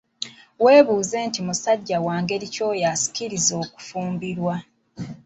Weebuuze nti musajja wa ngeri ki oyo ansikiriza okufumbirwa?